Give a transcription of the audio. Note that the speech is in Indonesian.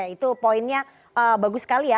itu poinnya bagus sekali ya